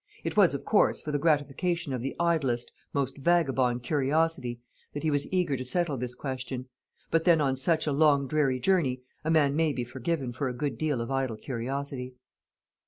It was, of course, for the gratification of the idlest, most vagabond curiosity that he was eager to settle this question: but then on such a long dreary journey, a man may be forgiven for a good deal of idle curiosity.